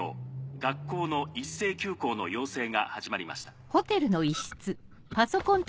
学校の一斉休校の要請が始まりました。